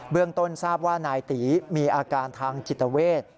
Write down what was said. เรื่องต้นทราบว่านายตีมีอาการทางจิตเวท